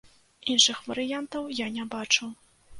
Іншых варыянтаў я не бачу.